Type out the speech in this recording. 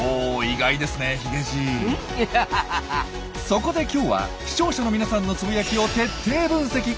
そこで今日は視聴者の皆さんのつぶやきを徹底分析。